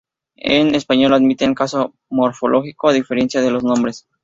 En español admiten caso morfológico, a diferencia de los nombres.